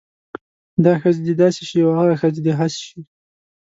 دا ښځې د داسې شی او هاغه ښځې د هاسې شی